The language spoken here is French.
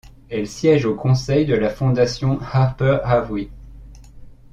Elle siège au conseil de la Fondation Harper Avery.